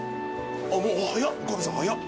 もう早っ岡部さん早っ。